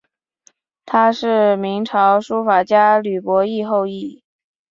她是明朝书法家吕伯懿后裔。